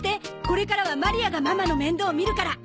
これからはマリアがママの面倒を見るから。